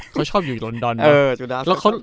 เขาชอบอยู่ที่รอนดอน